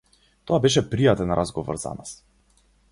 Тоа беше пријатен разговор за нас.